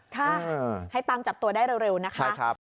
ค่ะให้ตังจับตัวได้เร็วนะคะใช่ครับ